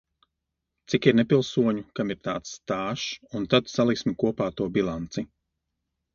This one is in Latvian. Cik ir nepilsoņu, kam ir tāds stāžs, un tad saliksim kopā to bilanci.